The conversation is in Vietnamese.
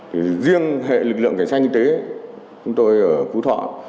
thì riêng hệ lực lượng ngành sát kinh tế chúng tôi ở phú thọ